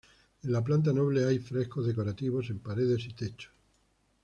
En la planta noble hay frescos decorativos en paredes y techos.